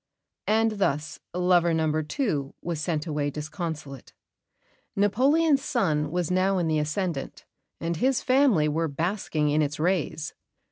And thus lover number two was sent away disconsolate. Napoleon's sun was now in the ascendant, and his family were basking in its rays.